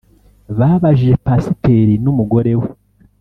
babajije pasiteri n’umugore we